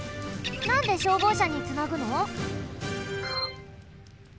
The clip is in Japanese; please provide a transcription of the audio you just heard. なんで消防車につなぐの？